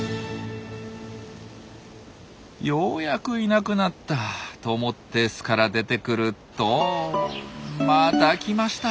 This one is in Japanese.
ようやくいなくなったと思って巣から出てくるとまた来ました。